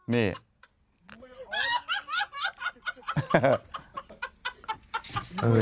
นี่